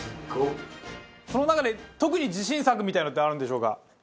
その中で特に自信作みたいなのってあるんでしょうか？